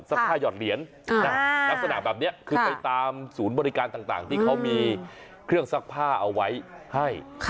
ผ้าหยอดเหรียญลักษณะแบบนี้คือไปตามศูนย์บริการต่างที่เขามีเครื่องซักผ้าเอาไว้ให้